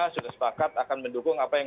sudah sepakat akan mendukung apa yang